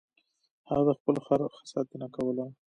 هغه د خپل خر ښه ساتنه کوله.